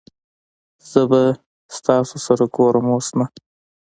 زه به تاسو سره ګورم اوس نه